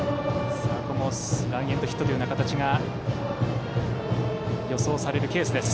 ランエンドヒットという形が予想されるケースです。